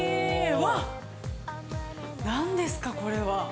わっ、なんですか、これは。